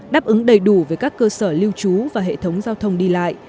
đáp ứng đầy đủ về các cơ sở lưu trú và hệ thống giao thông đi lại